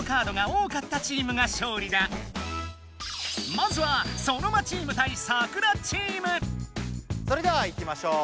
まずはそれではいきましょう！